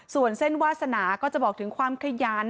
ส่วนเส้นวาสนาก็จะบอกถึงความขยัน